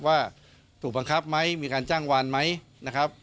ว่าถูกบังคับไหมมีการจ้างวานไหมนะครับ